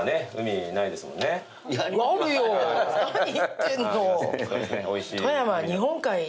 何言ってんの。